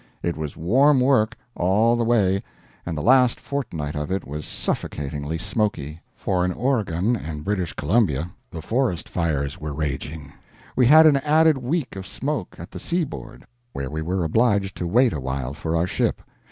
It was warm work, all the way, and the last fortnight of it was suffocatingly smoky, for in Oregon and British Columbia the forest fires were raging. We had an added week of smoke at the seaboard, where we were obliged to wait awhile for our ship.